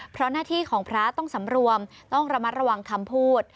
เพราะหน้าที่ของพระต้องสำรวมต้องระมัดระวังคำพูด